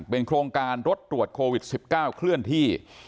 เป็นโครงการรถตรวจโควิด๑๙เคลื่อนที่